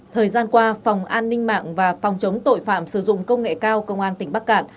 thời gian qua phòng an ninh mạng và phòng chống tội phạm sử dụng công nghệ cao công an tỉnh bắc cạn